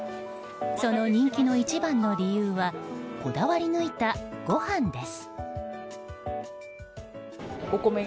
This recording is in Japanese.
その人気の一番の理由はこだわり抜いたご飯です。